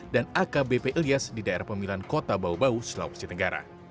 dan akbp ilyas di daerah pemilihan kota bawabawu sulawesi tenggara